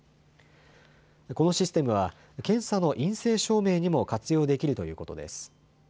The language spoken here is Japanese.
このシステムは検査の陰性証明にも活用できるということです。